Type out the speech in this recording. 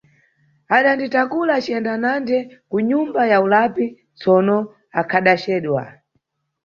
Adanditakula aciyenda nande ku nyumba ya ulapi, tsono akhadacedwa.